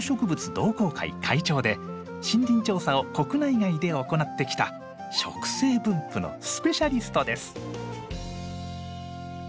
同好会会長で森林調査を国内外で行ってきた植生分布のスペシャリストです。